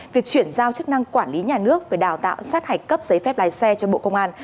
việc chuyển giao chức năng quản lý nhà nước về đào tạo sát hạch cấp giấy phép lái xe cho bộ công an